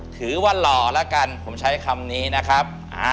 หล่อแล้วกันผมใช้คำนี้นะครับ